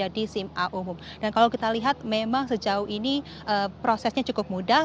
dan kalau kita lihat memang sejauh ini prosesnya cukup mudah